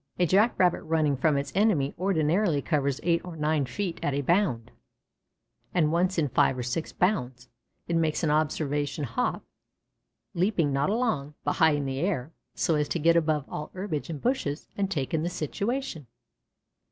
A Jack rabbit running from its enemy ordinarily covers eight or nine feet at a bound, and once in five or six bounds, it makes an observation hop, leaping not along, but high in the air, so as to get above all herbage and bushes and take in the situation.